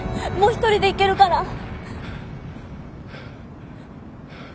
もう一人で行けるから。